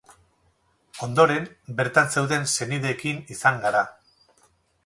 Ondoren, bertan zeuden senideekin izan gara.